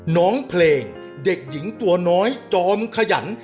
น้องเพลงเด็กหญิงตัวน้อยจอมขยัน